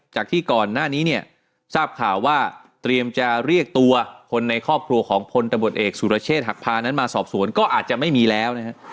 จากที่ก่อนหน้านี้เนี่ยทราบข่าวว่าเตรียมจะเรียกตัวคนในครอบครัวของพลตำรวจเอกสุรเชษฐหักพานั้นมาสอบสวนก็อาจจะไม่มีแล้วนะฮะ